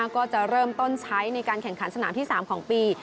ก็จะเริ่มต้นใช้ในการแข่งขันสนามที่๓ของปี